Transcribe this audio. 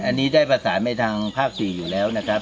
อันนี้ได้ประสานไปทางภาค๔อยู่แล้วนะครับ